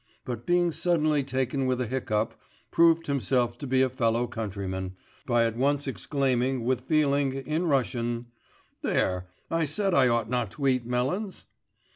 but, being suddenly taken with a hiccup, proved himself to be a fellow countryman, by at once exclaiming, with feeling, in Russian, 'There, I said I ought not to eat melons!